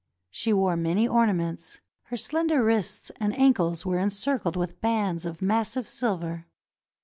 She wore many ornaments — her slender wrists and ankles were encircled with bands of massive silver.